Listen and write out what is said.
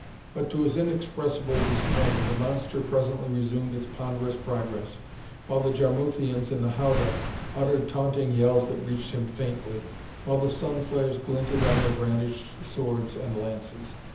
But, to his inexpressible dismay, the monster presently resumed its ponderous progress while the Jarmuthians in the howdah uttered taunting yells that reached him faintly, while the sun flares glinted on their brandished swords and lances.